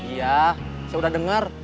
iya saya udah dengar